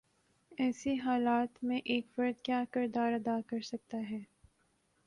ایسی حالت میں ایک فرد کیا کردار ادا کر سکتا ہے؟